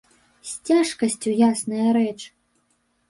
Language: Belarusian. З цяжкасцю, ясная рэч.